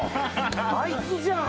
あいつじゃん。